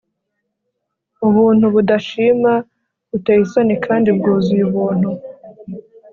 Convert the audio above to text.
Ubuntu budashima buteye isoni kandi bwuzuye ubuntu